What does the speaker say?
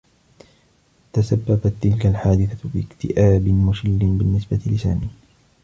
تسبّبت تلك الحادثة باكتئاب مشلّ بالنّسبة لسامي.